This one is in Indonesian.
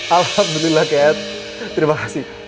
alhamdulillah cat terima kasih